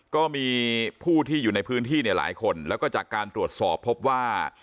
ก็มีผู้ที่อยู่ในพื้นที่เนี่ยหลายคนแล้วก็จากการตรวจสอบพบว่า